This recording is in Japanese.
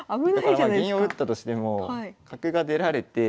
だから銀を打ったとしても角が出られて。